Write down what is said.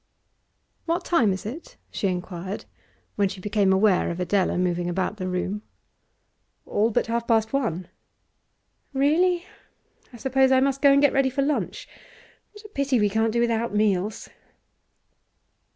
'What time is it?' she inquired, when she became aware of Adela moving about the room. 'All but half past one.' 'Really? I suppose I must go and get ready for lunch. What a pity we can't do without meals!